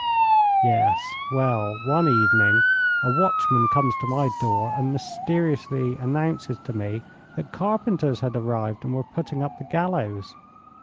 Yes. Well, one evening, a watchman comes to my door and mysteriously announces to me that carpenters had arrived, and were putting up the gallows.